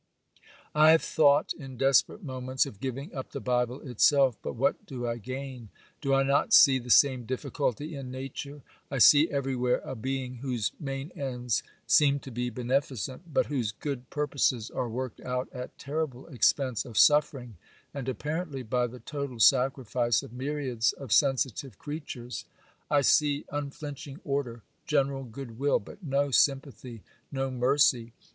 'I have thought, in desperate moments, of giving up the Bible itself. But what do I gain? Do I not see the same difficulty in Nature? I see everywhere a Being whose main ends seem to be beneficent, but whose good purposes are worked out at terrible expense of suffering, and apparently by the total sacrifice of myriads of sensitive creatures. I see unflinching order, general good will, but no sympathy, no mercy.